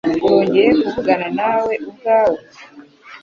Urongeye kuvugana nawe ubwawe?